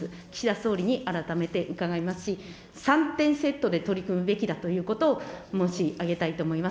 総理に改めて伺いますし、３点セットで取り組むべきだということを申し上げたいと思います。